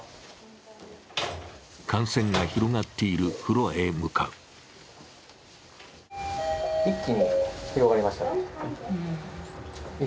感染が広がっているフロアへ向かう。